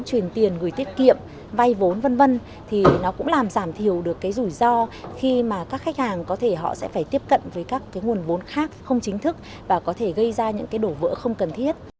truyền tiền gửi tiết kiệm vay vốn v v thì nó cũng làm giảm thiểu được cái rủi ro khi mà các khách hàng có thể họ sẽ phải tiếp cận với các cái nguồn vốn khác không chính thức và có thể gây ra những cái đổ vỡ không cần thiết